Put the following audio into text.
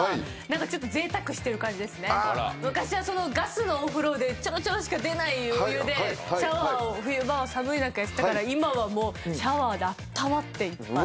昔はガスのお風呂でちょろちょろしか出ないお湯でシャワーを冬場は寒い中やってたから今はもうシャワーであったまっていっぱい。